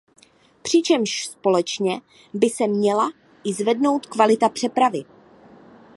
Přičemž společně by se měla i zvednout kvalita přepravy.